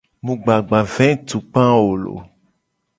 Mu gba vetukpa a o loo.